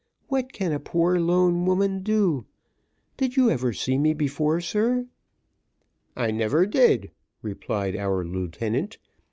What can a poor lone woman do? Did you ever see me before, sir?" "I never did," replied our lieutenant.